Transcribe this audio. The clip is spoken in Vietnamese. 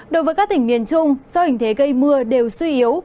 đối với các tỉnh miền trung do hình thế gây mưa đều suy yếu